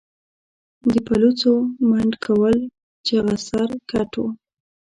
د پلوڅو، منډکول چغه سر، ګټ و